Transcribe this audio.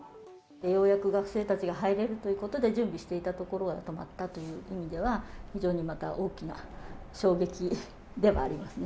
ようやく学生たちが入れるということで、準備していたところが止まったという意味では、非常にまた大きな衝撃ではありますね。